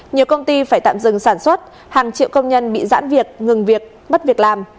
nhiều công ty phải tạm dừng sản xuất hàng triệu công nhân bị giãn việc ngừng việc mất việc làm